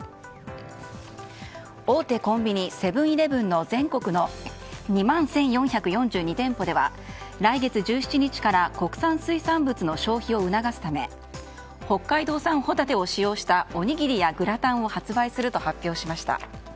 大手コンビニセブン‐イレブンの全国の２万１４４２店舗では来月１７日から国産水産物の消費を促すため北海道産ホタテを使用したおにぎりやグラタンを発売すると発表しました。